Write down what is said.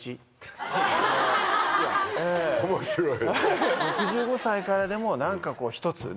面白い。